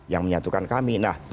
yang menyatukan kami nah